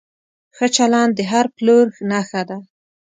ښه چلند د هر پلور نښه ده.